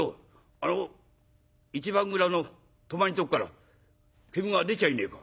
あの一番蔵の戸前んとこから煙が出ちゃいねえか？」。